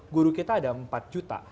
guru kita ada empat juta